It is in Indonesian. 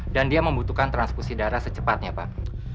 dan dia membutuhkan transkusi darah secepatnya pak